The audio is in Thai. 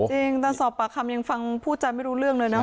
จริงตอนสอบปากคำยังฟังพูดจาไม่รู้เรื่องเลยนะ